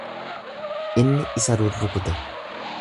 Inni isa rurrukute.